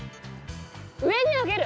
上にあげる？